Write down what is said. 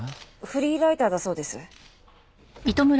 フリーライターだそうです。